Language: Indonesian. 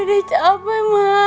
nedeh capek mak